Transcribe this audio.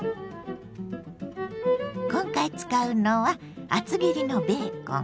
今回使うのは厚切りのベーコン。